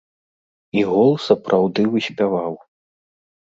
І гол сапраўды выспяваў.